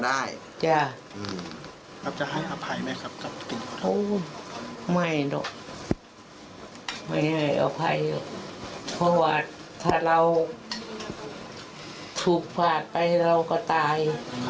อาจจะให้อภัยไหมครับไม่ไม่ให้อภัยเพราะว่าถ้าเราถูกผ่านไปเราก็ตาย